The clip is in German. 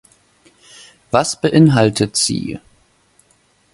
Was beinhaltet sie?